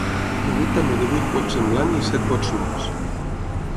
Hi ha hagut també divuit vots en blanc i set vots nuls.